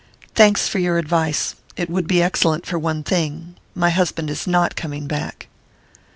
"Thanks for your advice. It would be excellent but for one thing my husband is not coming back!"